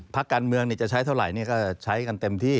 พักการเมืองจะใช้เท่าไหร่ก็ใช้กันเต็มที่